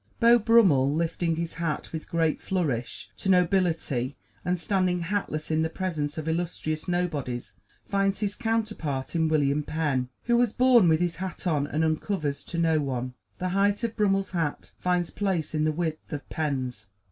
Beau Brummel, lifting his hat with great flourish to nobility and standing hatless in the presence of illustrious nobodies, finds his counterpart in William Penn, who was born with his hat on and uncovers to no one. The height of Brummel's hat finds place in the width of Penn's.